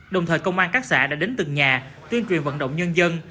đồng thời công an các xã đã đến từng nhà tuyên truyền vận động nhân dân